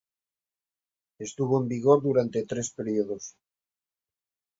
Estuvo en vigor durante tres periodos.